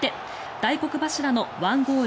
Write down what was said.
大黒柱の１ゴール